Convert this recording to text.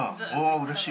うれしい。